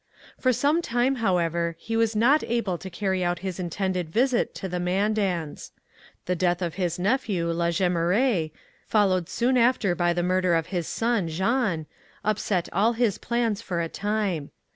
For some time, however, he was not able to carry out this intended visit to the Mandans. The death of his nephew La Jemeraye, followed soon after by the murder of his son Jean, upset all his plans for a time.